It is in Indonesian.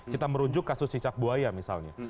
kita merujuk kasus cicak buaya misalnya